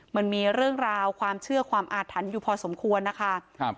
มันมีเรื่องราวความเชื่อความอาถรรพ์อยู่พอสมควรนะคะครับ